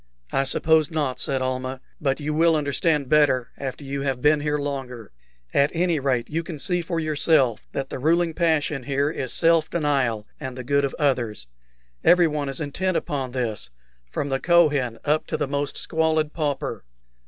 "I suppose not," said Almah; "but you will understand better after you have been here longer. At any rate, you can see for yourself that the ruling passion here is self denial and the good of others. Everyone is intent upon this, from the Kohen up to the most squalid pauper."